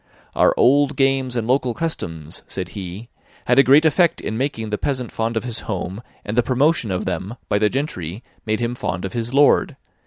* "Our old games and local customs," said he, "had a great effect in making the peasant fond of his home, and the promotion of them, by the gentry made him fond of his lord.